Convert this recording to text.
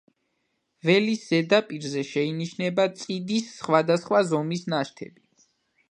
ველის ზედაპირზე შეინიშნება წიდის სხვადასხვა ზომის ნაშთები.